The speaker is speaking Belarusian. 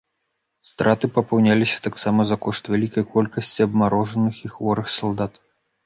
Страты папаўняліся таксама за кошт вялікай колькасці абмарожаных і хворых салдат.